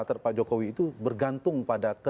pak jokowi itu bergantung pada